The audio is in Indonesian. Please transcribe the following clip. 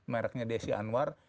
merknya desi anwar